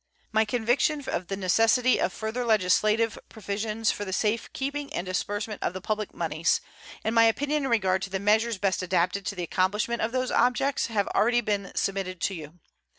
My conviction of the necessity of further legislative provisions for the safe keeping and disbursement of the public moneys and my opinion in regard to the measures best adapted to the accomplishment of those objects have been already submitted to you.